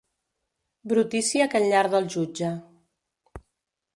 Brutícia que enllarda el jutge.